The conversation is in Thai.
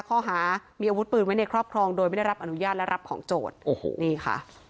ข้อหามีอาวุธปืนไว้ในครอบครองโดยไม่ได้รับอนุญาตและรับของโจทย์โอ้โหนี่ค่ะ